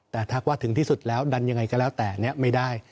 แต่ถ้าถึงที่สุดแล้วดันอย่างไรก็แล้วแต่ไม่ได้